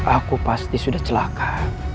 aku pasti sudah celaka